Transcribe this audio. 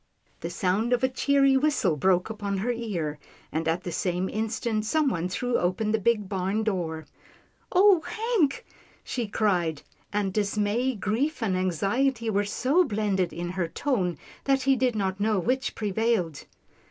The sound of a cheery whistle broke upon her ear, and at the same instant, someone threw open the big barn door. "Oh, Hank!" she cried, and dismay, grief and anxiety were so blended in her tone, that he did not know which prevailed.